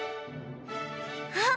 あっ！